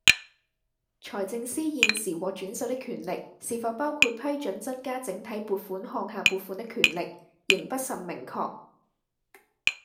財政司現時獲轉授的權力是否包括批准增加整體撥款項下撥款的權力，仍不甚明確